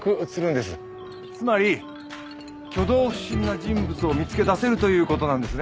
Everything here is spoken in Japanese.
つまり挙動不審な人物を見つけ出せるという事なんですね。